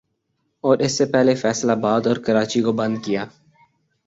اور اس سے پہلے فیصل آباد اور کراچی کو بند کیا